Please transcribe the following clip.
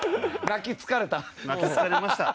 泣き疲れました。